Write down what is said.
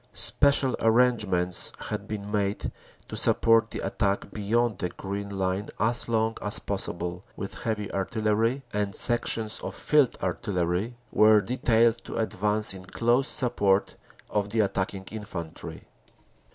Spe cial arrangements had been made to support the attack beyond the Green Line as long as possible with heavy artillery, and sections of field artillery were detailed to advance in close support of the attacking infantry.